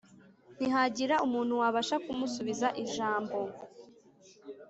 Ntihagira umuntu wabasha kumusubiza ijambo